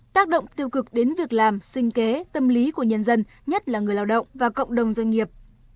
tác động tiêu cực đến việc làm sinh kế tâm lý của nhân dân nhất là người lao động và cộng đồng doanh nghiệp